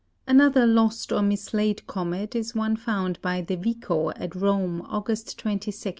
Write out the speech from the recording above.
Another lost or mislaid comet is one found by De Vico at Rome, August 22, 1844.